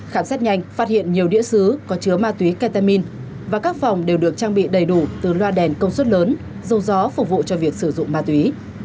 khám xét nhanh phát hiện nhiều đĩa xứ có chứa ma túy ketamin và các phòng đều được trang bị đầy đủ từ loa đèn công suất lớn dầu gió phục vụ cho việc sử dụng ma túy